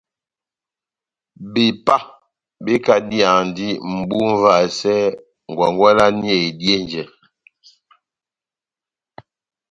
Bepá bekadiyandi mʼbu múvasɛ ngwangwalani eidihe njɛ.